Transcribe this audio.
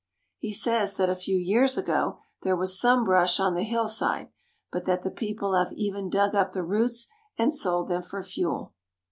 He says that a few years ago there was some brush on the hillside, but that the people have even dug up the roots and sold them for fuel.